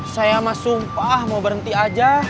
saya sama sumpah mau berhenti aja